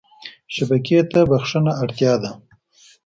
شبکې ته بښنه اړتیا ده.